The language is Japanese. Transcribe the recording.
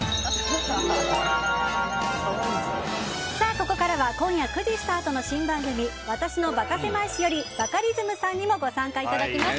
ここからは今夜９時スタートの新番組「私のバカせまい史」よりバカリズムさんにもご参加いただきます。